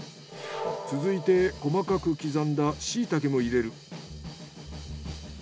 続いて細かく刻んだシイタケも入れる。